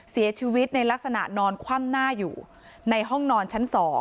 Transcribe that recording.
เสียชีวิตในลักษณะนอนคว่ำหน้าอยู่ในห้องนอนชั้น๒